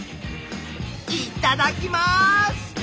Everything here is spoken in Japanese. いただきます！